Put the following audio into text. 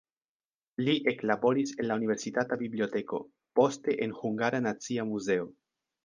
Li eklaboris en la universitata biblioteko, poste en Hungara Nacia Muzeo.